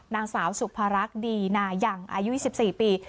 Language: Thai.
นางสาวสุภารักษ์ดีนายังอายุ๒๔ปี